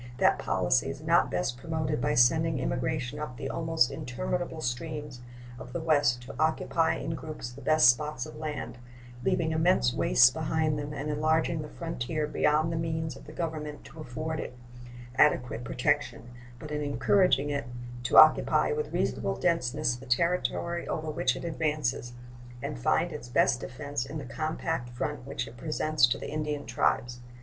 That policy is not best promoted by sending emigration up the almost interminable streams of the West to occupy in groups the best spots of land, leaving immense wastes behind them and enlarging the frontier beyond the means of the Government to afford it adequate protection, but in encouraging it to occupy with reasonable denseness the territory over which it advances, and find its best defense in the compact front which it presents to the Indian tribes.